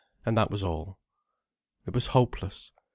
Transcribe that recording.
And that was all. It was hopeless.